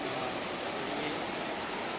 ที่เนี่ยไม่ออก